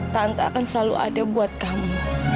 tante akan selalu ada buat kamu